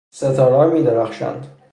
ستارهها میدرخشند